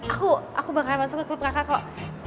aku aku bakalan masuk ke klub kakak kok